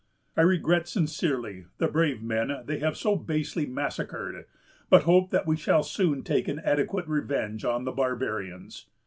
I regret sincerely the brave men they have so basely massacred, but hope that we shall soon take an adequate revenge on the barbarians.